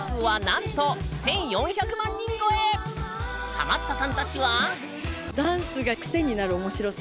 ハマったさんたちは。